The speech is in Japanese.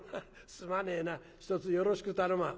「すまねえなひとつよろしく頼むわ」。